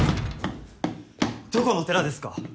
どこの寺ですか？